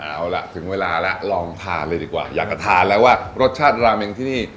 เอาล่ะถึงเวลาแล้วลองทานเลยดีกว่าอยากจะทานแล้วว่ารสชาติราเมงที่นี่